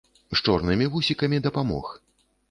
З чорнымі вусікамі дапамог.